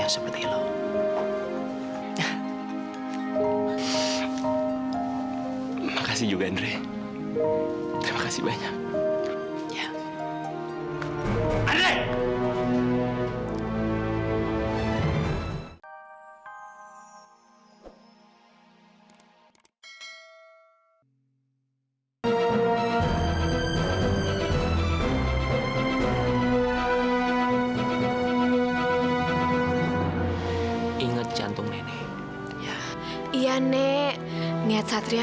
sampai jumpa di video selanjutnya